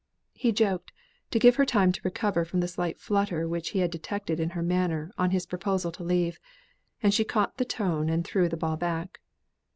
He joked, to give her time to recover from the slight flutter which he had detected in her manner on his proposal to leave; and she caught the tone, and threw the ball back.